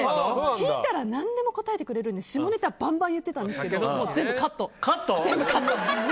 聞いたら何でも答えてくれるので下ネタバンバン言ってたんですけど、全部カット。